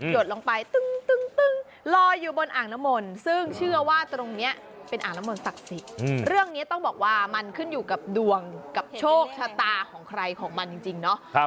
ดลงไปตึ้งลอยอยู่บนอ่างน้ำมนต์ซึ่งเชื่อว่าตรงนี้เป็นอ่างน้ำมนต์ศักดิ์สิทธิ์เรื่องนี้ต้องบอกว่ามันขึ้นอยู่กับดวงกับโชคชะตาของใครของมันจริงเนาะ